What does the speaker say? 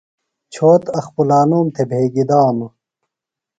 چھوت اخپُلانوم تھےۡ بھیگیۡ دانوۡ۔